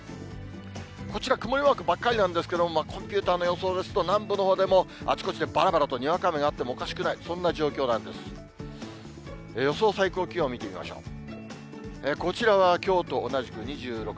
こちら、曇りマークばっかりなんですけれども、コンピューターの予想ですと、南部のほうでもあちこちでばらばらとにわか雨があってもおかしくない、そんな状況なんです。